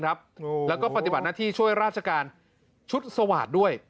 แล้วก็ปฏิบัติหน้าที่ช่วยราชการชุดสวาสตร์ด้วย